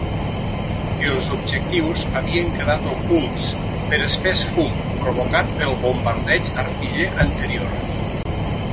Els objectius havien quedat ocults per espès fum provocat pel bombardeig artiller anterior.